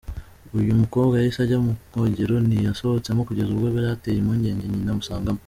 Uyu mukobwa yahise ajya mu bwogero, ntiyasohotsemo kugeza ubwo byateye impungenge nyina umusangamo.